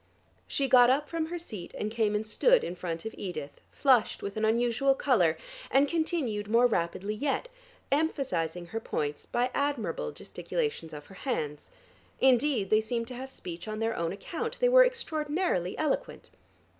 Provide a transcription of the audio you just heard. She got up from her seat and came and stood in front of Edith, flushed with an unusual color, and continued more rapidly yet, emphasizing her points by admirable gesticulations of her hands. Indeed they seemed to have speech on their own account: they were extraordinarily eloquent.